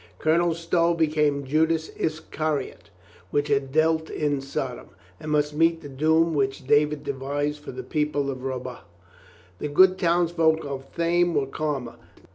Colonel Stow became Judas Iscariot, which had dwelt in Sodom, and must meet the doom which David devised for the people of Rabbah. The good townsfolk of Thame were calmer.